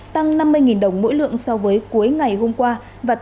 tăng năm mươi đồng mỗi lượng so với hôm qua